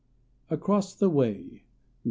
'" ACROSS THE WAY. GEO.